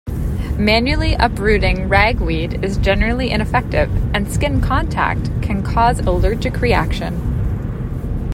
Manually uprooting ragweed is generally ineffective, and skin contact can cause allergic reaction.